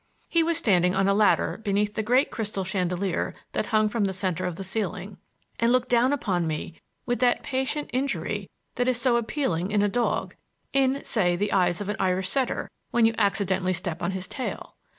He was standing on a ladder beneath the great crystal chandelier that hung from the center of the ceiling, and looked down upon me with that patient injury that is so appealing in a dog—in, say, the eyes of an Irish setter, when you accidentally step on his tail.